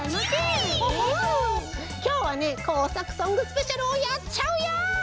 きょうはねこうさくソングスペシャルをやっちゃうよ！